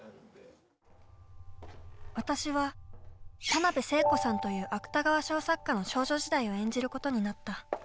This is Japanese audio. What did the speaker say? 私は田辺聖子さんという芥川賞作家の少女時代を演じることになった。